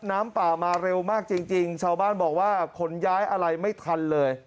น้ำป่ามาเร็วมากจริงชาวบ้านบอกว่าขนย้ายอะไรไม่ทันเลย